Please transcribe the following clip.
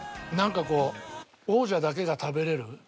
なんかこう王者だけが食べれる？